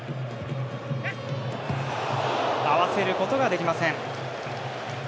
合わせることができません。